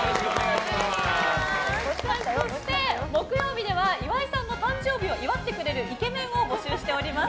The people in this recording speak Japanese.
そして、木曜日では岩井さんの誕生日を祝ってくれるイケメンを募集しております。